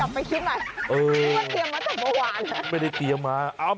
เอาจับไปคิดใหม่ว่าเตรียมมาจากเมื่อวาน